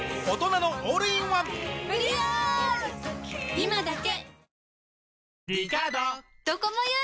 今だけ！